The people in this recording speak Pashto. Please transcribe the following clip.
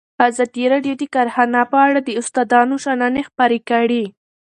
ازادي راډیو د کرهنه په اړه د استادانو شننې خپرې کړي.